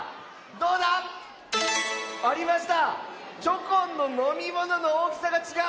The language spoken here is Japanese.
どうだ⁉ありました！